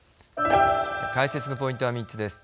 解説のポイントは３つです。